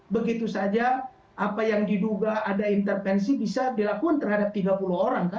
begitu saja apa yang diduga ada intervensi bisa dilakukan terhadap tiga puluh orang kan